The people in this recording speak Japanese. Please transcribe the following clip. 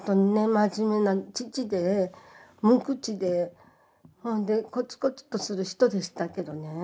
真面目な父で無口でほんでこつこつとする人でしたけどね